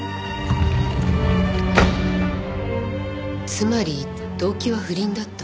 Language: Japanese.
つまり動機は不倫だった。